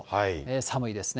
寒いですね。